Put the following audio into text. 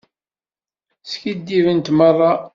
Skiddibent merra.